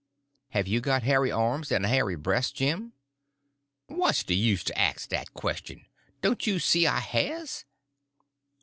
"Have you got hairy arms and a hairy breast, Jim?" "What's de use to ax dat question? Don't you see I has?"